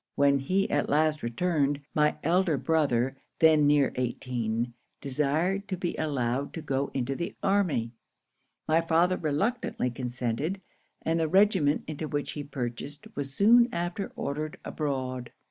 'When he last returned, my elder brother, then near eighteen, desired to be allowed to go into the army. My father reluctantly consented; and the regiment into which he purchased was soon after ordered abroad.